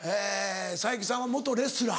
才木さんは元レスラー。